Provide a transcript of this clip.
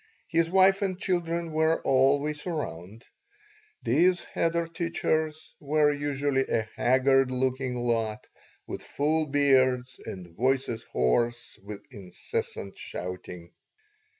His wife and children were always around. These cheder teachers were usually a haggard looking lot with full beards and voices hoarse with incessant shouting.